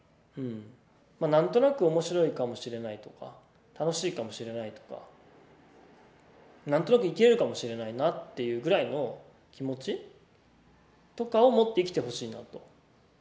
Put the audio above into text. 何となく面白いかもしれないとか楽しいかもしれないとか何となく生きれるかもしれないなっていうぐらいの気持ちとかを持って生きてほしいなと。